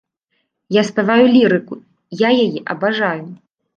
Я спяваю лірыку, я яе абажаю.